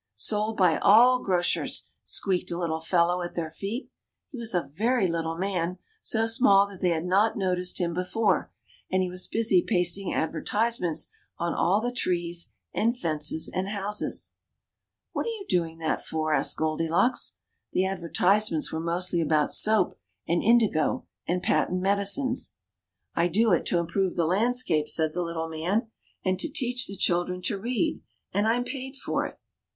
^^Sold by all grocers," squeaked a little fellow at their feet. He was a very little man, so small that they had not noticed him before ; and he was busy pasting adver tisements on all the trees and fences and houses. 26 THE CHILDREN'S WONDER BOOK. "What are you doing that for?" asked Goldilocks. The advertisements were mostly about soap, and indigo, and patent medicines. " I do it to improve the landscape," said the little man ;" and to teach the children to read ; and Tm paid for it."